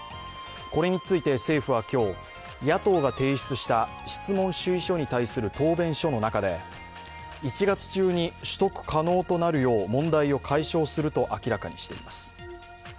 これについて政府は今日野党が提出した質問主意書に対する答弁書の中で１月中に取得可能となるよう問題を解消すると明らかにしています。